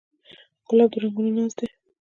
ګلاب د رنګونو ناز دی.